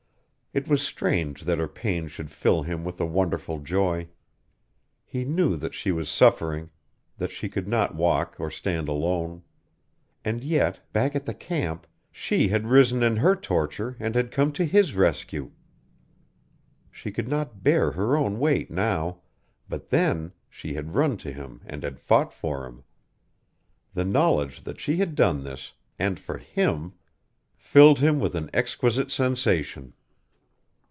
It was strange that her pain should fill him with a wonderful joy. He knew that she was suffering, that she could not walk or stand alone. And yet, back at the camp, she had risen in her torture and had come to his rescue. She could not bear her own weight now, but then she had run to him and had fought for him. The knowledge that she had done this, and for him, filled him with an exquisite sensation.